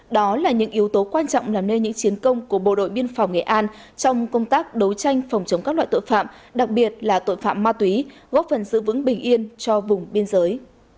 đó là những yếu tố quan trọng làm nên những chiến công của bộ đội biên phòng nghệ an trong công tác đấu tranh phòng chống các loại tội phạm đặc biệt là tội phạm ma túy góp phần giữ vững bình yên cho vùng biên giới